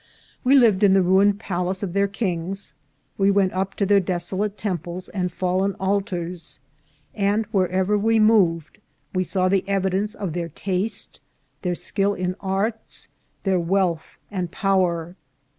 We lived in the ruined» palace of their kings ; we went up to their desolate temples and fallen altars ; and wher ever we moved we saw the evidences of their taste, their skill in arts, their wealth and power.